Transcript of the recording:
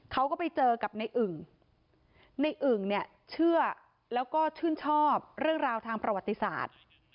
เขาก็ไปเจอกับในอึ่งในอึ่งเนี่ยเชื่อแล้วก็ชื่นชอบเรื่องราวทางประวัติศาสตร์